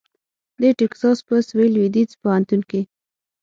د ټیکساس په سوېل لوېدیځ پوهنتون کې